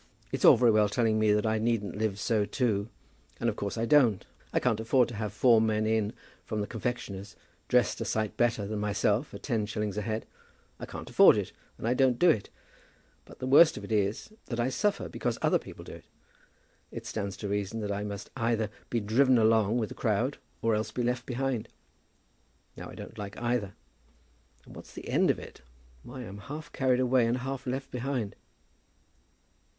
It's all very well telling me that I needn't live so too; and of course I don't. I can't afford to have four men in from the confectioner's, dressed a sight better than myself, at ten shillings a head. I can't afford it, and I don't do it. But the worst of it is that I suffer because other people do it. It stands to reason that I must either be driven along with the crowd, or else be left behind. Now, I don't like either. And what's the end of it? Why, I'm half carried away and half left behind."